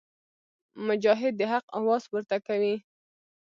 مجاهد د حق اواز پورته کوي.